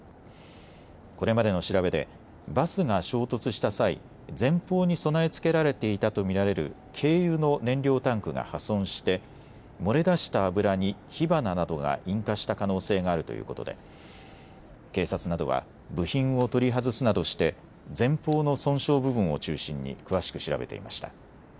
これまでの調べでバスが衝突した際、前方に備え付けられていたと見られる軽油の燃料タンクが破損して漏れ出した油に火花などが引火した可能性があるということで警察などは部品を取り外すなどして前方の損傷部分を中心に詳しく調べていました。